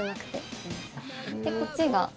こっちが。